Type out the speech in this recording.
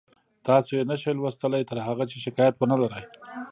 تاسو یې نشئ لوستلی تر هغه چې شکایت ونلرئ